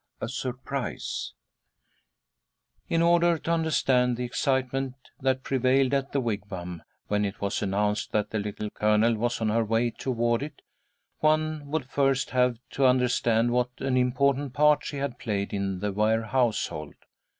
A SURPRISE IN order to understand the excitement that prevailed at the Wigwam when it was announced that the Little Colonel was on her way toward it, one would first have to understand what an important part she had played in the Ware household.